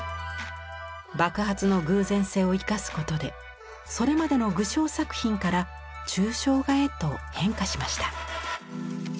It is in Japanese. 爆発の偶然性を生かすことでそれまでの具象作品から抽象画へと変化しました。